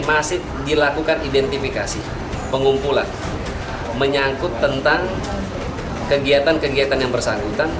masih dilakukan identifikasi pengumpulan menyangkut tentang kegiatan kegiatan yang bersangkutan